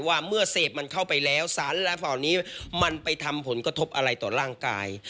ว่าเมื่อเสพมันเข้าไปแล้วสารอะไรพวกเหล่านี้มันไปทำผลกระทบอะไรต่อร่างกาย